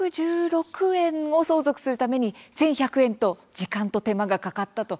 ８１６円を相続するために１１００円と時間と手間がかかったと。